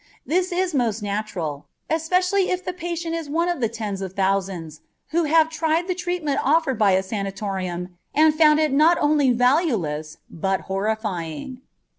This is most natural, especially if the patient is one of the tens of thousands who have tried the treatment offered by a sanatorium and found it not only valueless, but horrifying.